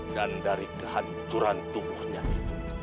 dan dari kehancuran tubuhnya itu